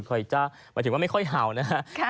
ก็คือหมายถึงว่าไม่ค่อยเผ่านะครับ